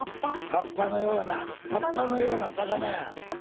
葉っぱのような葉っぱのような魚や。